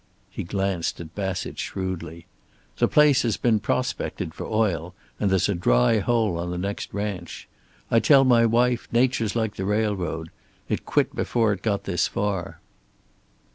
He glanced at Bassett shrewdly. "The place has been prospected for oil, and there's a dry hole on the next ranch. I tell my wife nature's like the railroad. It quit before it got this far."